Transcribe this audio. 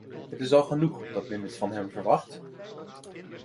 Het is al genoeg dat men dit van hem verwacht.